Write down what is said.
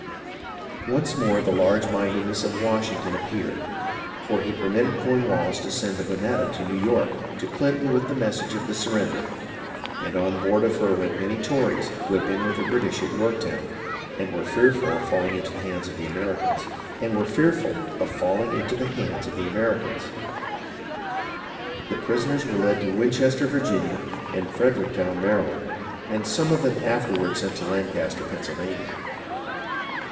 Once more the large mindedness of Washington appeared, for he permitted Cornwallis to send the Bojietta to New York to Clinton with the message of the surrender, and on board of her went many Tories who had been with the British at York town, and were fearful of falling into the hands of the Americans. The prisoners were led to Winchester, Vir ginia, and Fredericktown, Maryland, and some of them were afterward sent to Lancaster, Pennsylvania.